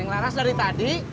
teng laras dari tadi